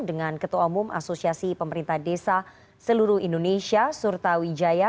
dengan ketua umum asosiasi pemerintah desa seluruh indonesia surta wijaya